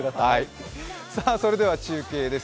それでは中継です。